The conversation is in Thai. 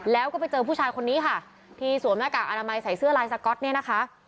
แล้วก็ไปเจอผู้ชายคนนี้ค่ะที่สวมหน้ากากอนามัยใส่เสื้อลายสก๊อตเนี่ยนะคะ